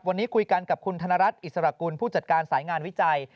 วันนี้คุยกันกับคุณธนรัฐอิสระกุลผู้จัดการสายงานวิจัย